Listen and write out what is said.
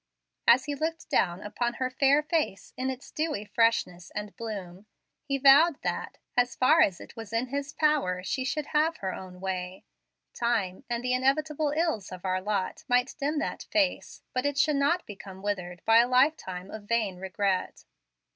As he looked down upon her fair face in its dewy freshness and bloom, he vowed that, as far as it was in his power, she should have her own way. Time and the inevitable ills of our lot might dim that face, but it should not become withered by a lifetime of vain regret.